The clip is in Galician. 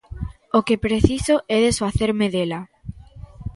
O que preciso é desfacerme dela.